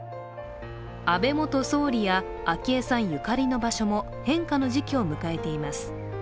安倍元総理や昭恵さんゆかりの場所も変化の時期を迎えています。